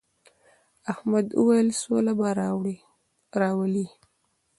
احمد وويل: سوله به راولې.